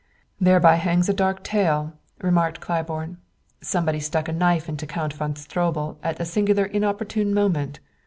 "Thereby hangs a dark tale," remarked Claiborne. "Somebody stuck a knife into Count von Stroebel at a singularly inopportune moment.